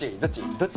どっち？